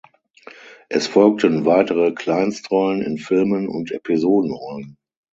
Es folgten weitere Kleinstrollen in Filmen und Episodenrollen.